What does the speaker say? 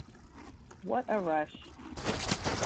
What a rush.